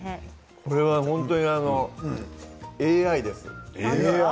これは本当にＡＩです。